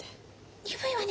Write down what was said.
鈍いわね。